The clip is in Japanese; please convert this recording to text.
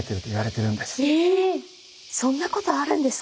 そんなことあるんですか？